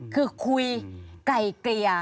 คือคุยไก่เกลี่ย